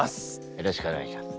よろしくお願いします。